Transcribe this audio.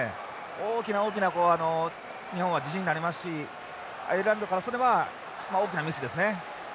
大きな大きな日本は自信になりますしアイルランドからすればまあ大きなミスですね。